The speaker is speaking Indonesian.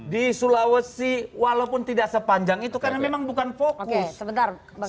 di sulawesi walaupun tidak sepanjang itu karena memang bukan fokus